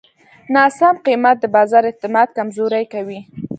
ناسم قیمت د بازار اعتماد کمزوری کوي.